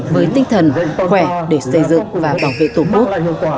với tinh thần khỏe để xây dựng và bảo vệ tổ quốc